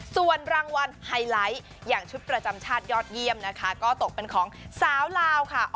ส่วนรางวัลไฮไลท์อย่างชุดประจำชาติยอดเยี่ยมนะคะก็ตกเป็นของสาวลาวค่ะ